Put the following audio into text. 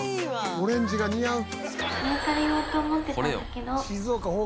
オレンジが似合う。